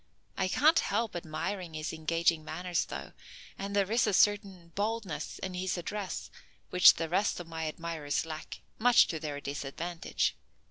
I can't help admiring his engaging manners, though, and there is a certain boldness in his address which the rest of my admirers lack, much to their disadvantage.